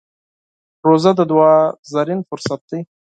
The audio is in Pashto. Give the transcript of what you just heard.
روژه د دعا زرين فرصت دی.